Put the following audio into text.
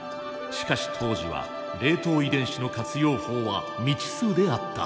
しかし当時は冷凍遺伝子の活用法は未知数であった。